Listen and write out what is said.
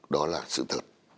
đó là sự thật